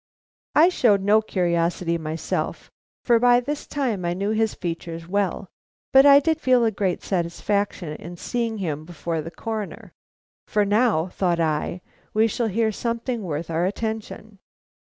I showed no curiosity myself, for by this time I knew his features well, but I did feel a great satisfaction in seeing him before the Coroner, for now, thought I, we shall hear something worth our attention.